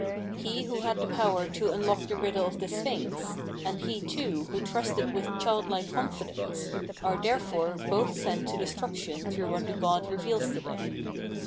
He,* who had the power to unlock the riddle of the sphinx, and he too who trusted with childlike confidence,! therefore, both sent to destruction through what the god reveals to them.